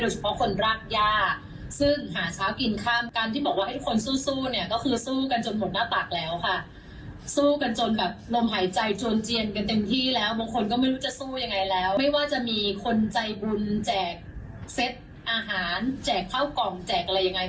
แจกเซตอาหารแจกข้าวกล่องแจกอะไรยังไง